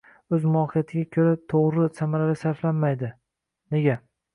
o‘z mohiyatiga ko‘ra to‘g‘ri – samarali sarflanmaydi. Nega?